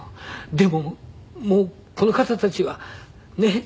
でももうこの方たちはねえ